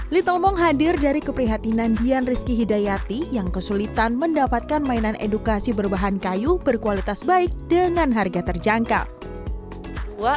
little mong hadir dari keprihatinan dian rizki hidayati yang kesulitan mendapatkan mainan edukasi berbahan kayu berkualitas baik dengan harga terjangkau